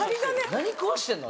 何食わせてるの？